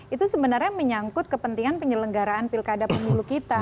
itu sebenarnya menyangkut kepentingan penyelenggaraan pilkada pemilu kita